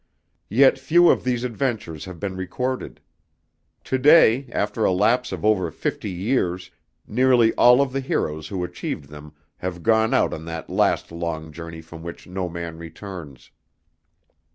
Yet few of these adventures have been recorded. Today, after a lapse of over fifty years, nearly all of the heroes who achieved them have gone out on that last long journey from which no man returns.